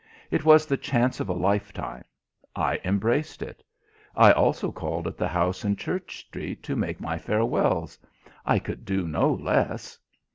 It was the chance of a life time. I embraced it. I also called at the house in Church Street to make my farewells. I could do no less.